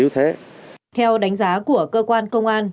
theo đánh giá của cơ quan công an